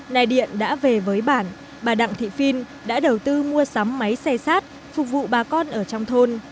nay điện đã về với bản bà đặng thị phiên đã đầu tư mua sắm máy xe sát phục vụ bà con ở trong thôn